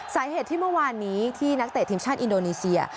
สาเหตุที่เมื่อวานนี้ที่นักเตะทีมชาติอินโดนีเซีย